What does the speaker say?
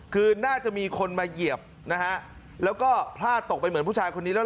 คือน่าจะมีคนมาเหยียบนะฮะแล้วก็พลาดตกไปเหมือนผู้ชายคนนี้แล้ว